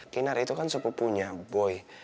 kinar itu kan suku punya boy